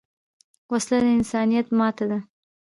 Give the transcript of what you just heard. وسله د انسانیت ماتې ده